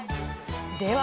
では